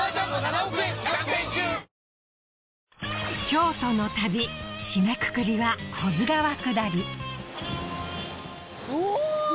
京都の旅締めくくりは保津川下りお！